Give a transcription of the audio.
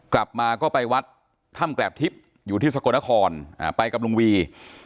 กลับมาก็ไปวัดถ้ำแกรบทิพย์อยู่ที่สกลนครไปกับลุงวี